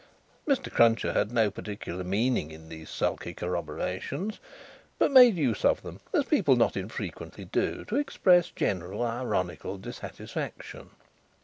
Mr. Cruncher had no particular meaning in these sulky corroborations, but made use of them, as people not unfrequently do, to express general ironical dissatisfaction.